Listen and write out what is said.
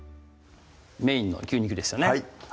メインの牛肉ですよね